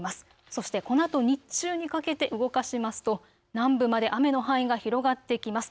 そして、このあと日中にかけて動かしますと南部まで雨の範囲が広がってきます。